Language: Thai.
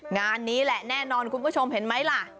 งานนี้แหละแน่นอนคุณผู้ชมเห็นไหมล่ะ